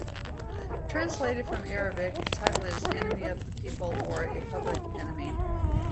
Translated from Arabic, the title is "Enemy of the people" or "A Public Enemy".